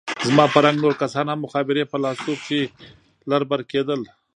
زما په رنګ نور کسان هم مخابرې په لاسو کښې لر بر کېدل.